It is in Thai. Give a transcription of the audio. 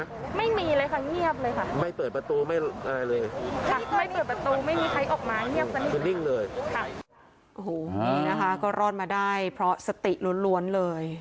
โอ้โหนี่นะคะก็รอดมาได้เพราะสติล้วนเลย